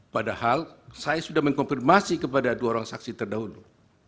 padahal saya sudah mengkonfirmasi kepada dua orang saksi terdahulu